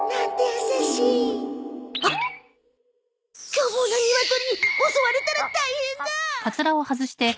凶暴なニワトリに襲われたら大変だ！